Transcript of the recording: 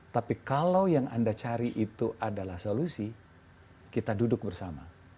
tapi kalau yang anda cari itu adalah solusi kita duduk bersama